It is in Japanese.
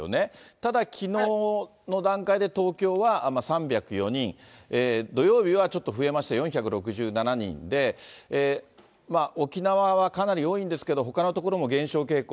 ただ、きのうの段階で東京は３０４人、土曜日はちょっと増えまして４６７人で、沖縄はかなり多いんですけれども、ほかの所も減少傾向。